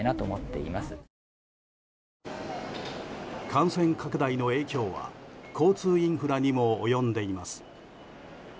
感染拡大の影響は交通インフラにも及んでいます。